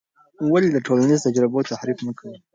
ولې د ټولنیزو تجربو تحریف مه کوې؟